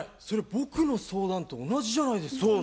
それ僕の相談と同じじゃないですか。